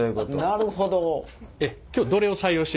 なるほど。